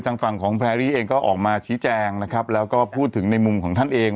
ทางฝั่งของพล่าอีกเองก็ออกมาชี้แจงแล้วก็พูดถึงในมุมของท่านเอง